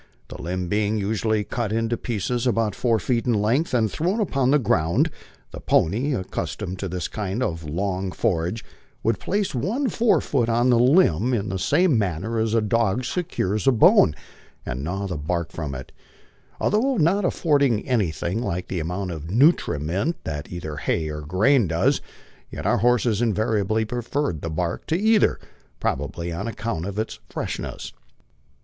The limb being usually cut into pieces about four feet in length and thrown upon the ground, the pony, accus tomed to this kind of " long forage," would place one fore foot on the limb in 8 MY LIFE ON THE PLAINS. the same maner as a dog secures a bone, and gnaw the bark from it. Al though not affording anything like the amount of nutriment which either hay or grain does, yet our horses invariably preferred the bark to either, probably on account of its freshness.